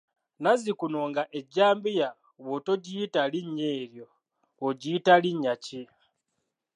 Nazzi kuno nga ejjambiya bw'otogiyita linnya eryo ogiyita linnya ki?